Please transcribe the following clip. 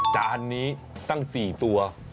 จานนี้ตั้ง๔ตัว